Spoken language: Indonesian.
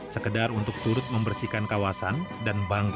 sekedar untuk turut membersihkan kawasan dan bangga